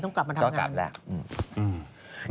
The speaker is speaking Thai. ต้องกลับมาทำงาน